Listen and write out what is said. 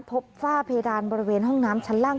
ฝ้าเพดานบริเวณห้องน้ำชั้นล่าง